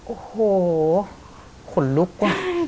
โอ้โหขนลุกว่ะ